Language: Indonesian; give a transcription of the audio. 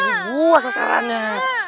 emang jadi gue sasarannya